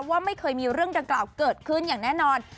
ว่าไม่เคยมีเรื่องดังกล่าวเกิดขึ้นอย่างแน่นอน